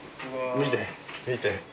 見て見て。